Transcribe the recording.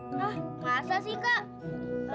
nggak asal sih kak